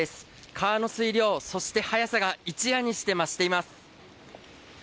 川の水量、そして速さが一夜にして増しています。